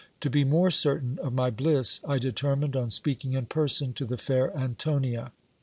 To be more certain of my bliss, I determined on speak ing in person to the fair Antonia.